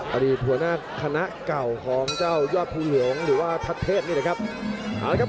ตอนนี้ผู้หญ้าคณะเก่าของเจ้ายอดภูรวงศ์หรือว่าทัศน์เทศนี่แหละครับ